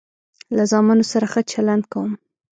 له زامنو سره ښه چلند کوم.